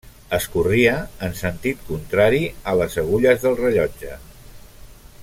Es corria en sentit contrari a les agulles del rellotge.